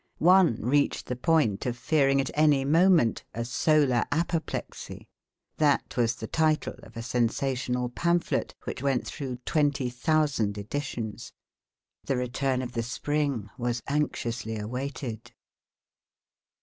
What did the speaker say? One reached the point of fearing at any moment a "solar apoplexy." That was the title of a sensational pamphlet which went through twenty thousand editions. The return of the spring was anxiously awaited.